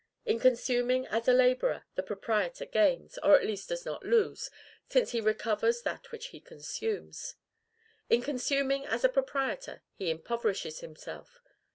In consuming as a laborer, the proprietor gains, or at least does not lose, since he recovers that which he consumes; in consuming as a proprietor, he impoverishes himself.